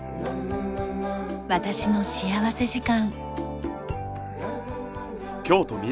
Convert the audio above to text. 『私の幸福時間』。